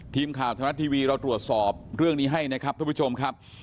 ทีมข่าวธรรมรัฐทีวีเราตรวจสอบเรื่องนี้ให้นะครับทุกผู้ชมครับ